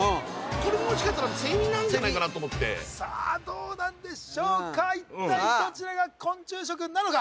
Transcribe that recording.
これもしかしたらセミなんじゃないかなと思ってさあどうなんでしょうか一体どちらが昆虫食なのか？